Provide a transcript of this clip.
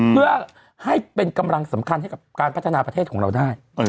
เพื่อให้เป็นกำลังสำคัญให้กับการพัฒนาประเทศของเราได้